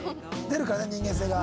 出るからね人間性が。